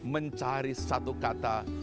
mencari satu kata